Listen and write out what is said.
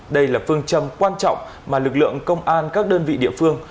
đây là phương châm quan trọng mà lực lượng công an các đơn vị địa phương